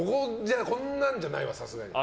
こんなんじゃないわ、さすがに。